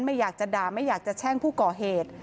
ไม่อยากจะด่าไม่อยากจะแช่งผู้ก่อเหตุ